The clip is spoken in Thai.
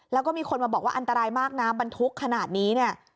แล้วก็มีคนมาบอกว่าอันตรายมากนะบรรทุกขนาดนี้เนี่ย